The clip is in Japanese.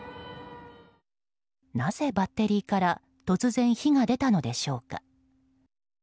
なぜバッテリーから突然火が出たのでしょうか。